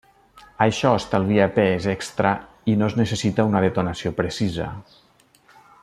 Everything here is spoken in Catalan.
Això estalvia pes extra i no es necessita una detonació precisa.